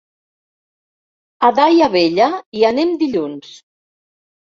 A Daia Vella hi anem dilluns.